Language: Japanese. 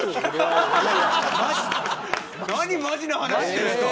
何マジな話してるんですか！